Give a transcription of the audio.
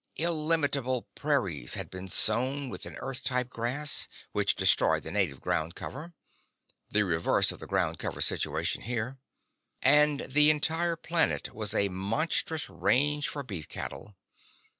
Illimitable prairies had been sown with an Earth type grass which destroyed the native ground cover—the reverse of the ground cover situation here—and the entire planet was a monstrous range for beef cattle.